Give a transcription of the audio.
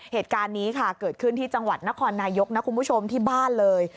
เหตุการณ์นี้เกิดขึ้นที่จังหวัดนครนายกที่บ้านเลย